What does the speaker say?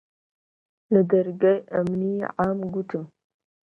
لە دەرگای ئەمنی عام گوتم: